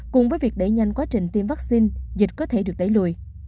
cùng với việc đẩy nhanh quá trình tiêm vaccine dịch có thể được đẩy lùi